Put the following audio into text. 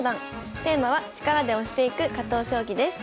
テーマは「力で押していく加藤将棋」です。